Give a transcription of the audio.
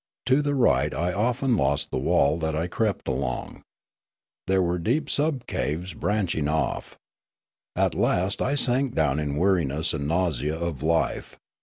To the right I often lost the wall that I crept along. There were deep subcaves branch ing off. At last I sank down in weariness and nausea of life.